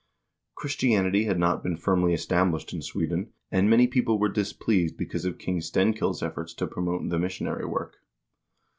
Christianity had not been firmly established in Sweden, and many people were displeased because of King Stenkil's efforts to promote the mis sionary work.